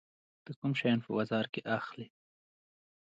ته کوم شیان په بازار کې اخلي؟